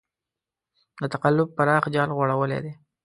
د تقلب پراخ جال غوړولی دی.